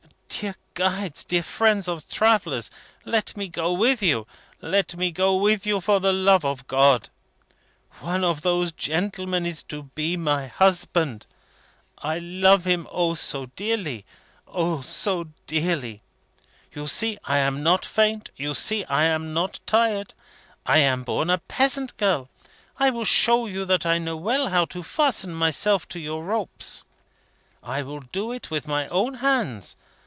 "Dear guides, dear friends of travellers! Let me go with you. Let me go with you for the love of GOD! One of those gentlemen is to be my husband. I love him, O, so dearly. O so dearly! You see I am not faint, you see I am not tired. I am born a peasant girl. I will show you that I know well how to fasten myself to your ropes. I will do it with my own hands.